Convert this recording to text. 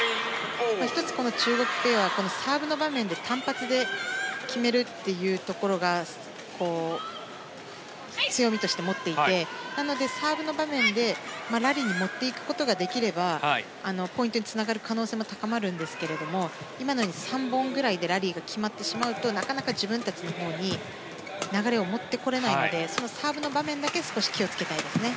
１つ、この中国ペアはサーブの場面で単発で決めるというところが強みとして持っていてなので、サーブの場面でラリーに持っていくことができればポイントにつながる可能性も高まるんですけども今のように３本ぐらいでラリーが決まってしまうとなかなか自分たちのほうに流れを持ってこれないのでサーブの場面だけ少し気をつけたいですね。